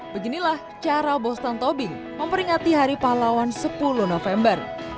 beginilah cara boston tobing memperingati hari pahlawan sepuluh november